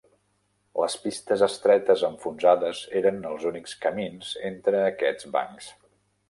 Les pistes estretes enfonsades eren els únics camins entre aquests bancs.